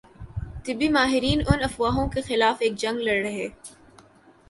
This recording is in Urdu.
طبی ماہرین ان افواہوں کے خلاف ایک جنگ لڑ رہے